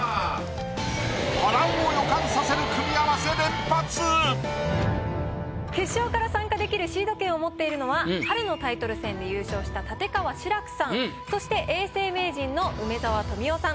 ああちょっと決勝から参加できるシード権を持っているのは春のタイトル戦で優勝した立川志らくさんそして永世名人の梅沢富美男さん